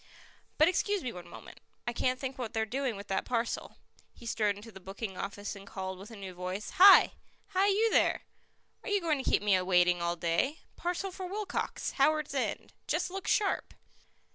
"But excuse me one moment I can't think what they're doing with that parcel." He strode into the booking office and called with a new voice: "Hi! hi, you there! Are you going to keep me waiting all day? Parcel for Wilcox, Howards End. Just look sharp!"